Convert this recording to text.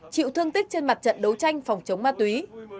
chịu thương tích trên mặt trận đấu tranh phòng chống ma túy